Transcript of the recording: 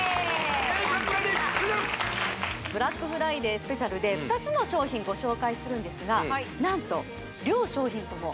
ブラックフライデーＳＰで２つの商品ご紹介するんですが何と両商品ともおっ！